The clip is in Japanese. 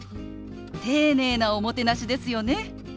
丁寧なおもてなしですよね。